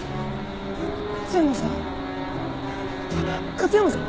勝山さん？